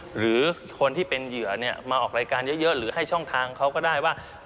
หรือคนที่เป็นเหยื่อมาออกรายการเยอะหรือให้ช่องทางเขาก็ได้ว่า